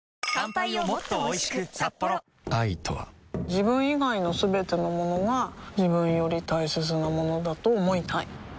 自分以外のすべてのものが自分より大切なものだと思いたい